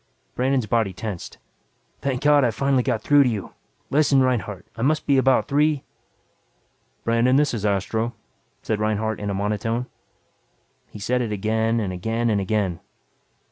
Brandon's body tensed. "Thank God I finally got through to you. Listen, Reinhardt, I must be about three " "Brandon, this is Astro," said Reinhardt in a monotone. He said it again and again and again.